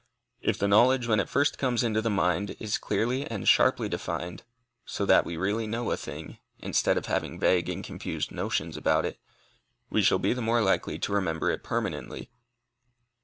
If the knowledge, when it first comes into the mind, is clearly and sharply defined, so that we really know a thing, instead of having vague and confused notions about it, we shall be the more likely to remember it permanently.